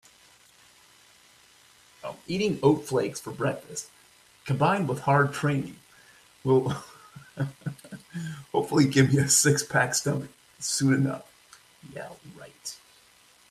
Eating oat flakes for breakfast combined with hard training will hopefully give me a six-pack stomach soon enough.